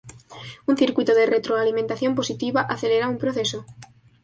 Un circuito de retroalimentación positiva acelera un proceso.